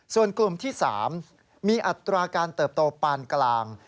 ส่วนกลุ่มที่๓มีอัตราการเติบโตปานกลาง